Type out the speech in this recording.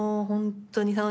本当に。